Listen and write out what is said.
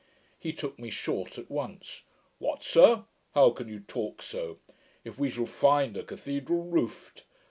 He took me short at once. 'What, sir? How can you talk so? If we shall FIND a cathedral roofed!